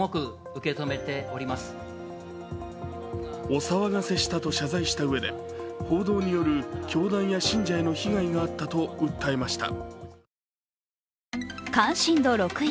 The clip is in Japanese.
お騒がせしたと謝罪したうえで報道による教団や信者への被害があったと訴えました。